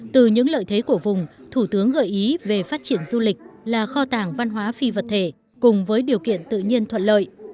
từ những lợi thế của vùng thủ tướng gợi ý về phát triển du lịch là kho tàng văn hóa phi vật thể cùng với điều kiện tự nhiên thuận lợi